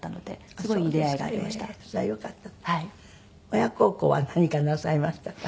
親孝行は何かなさいましたか？